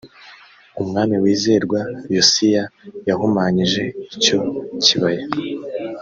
umwami wizerwa yosiya yahumanyije icyo kibaya